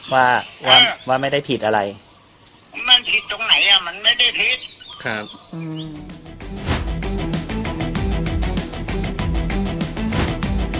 ว่าไม่ได้ผิดอะไรมันผิดตรงไหนอ่ะมันไม่ได้ผิด